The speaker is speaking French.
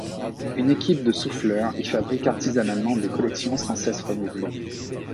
Une équipe de souffleurs y fabrique artisanalement des collections sans cesse renouvelées.